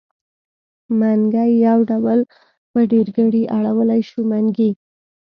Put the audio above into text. منګی يو ډول په ډېرګړي اړولی شو؛ منګي.